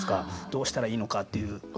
どうしたらいいのかっていう。